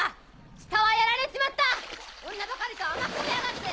下はやられちまった女ばかりと甘く見やがって。